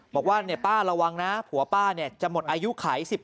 บอกว่าป้าระวังนะผัวป้าจะหมดอายุไข๑๘